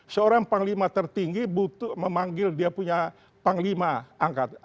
seorang panglima tertinggi butuh memanggil dia punya panglima angkat